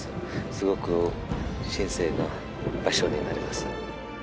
すごく神聖な場所になります